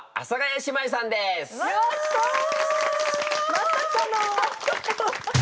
まさかの！